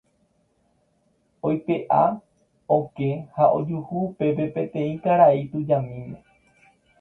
Oipe'a okẽ ha ojuhu upépe peteĩ karai tujamíme.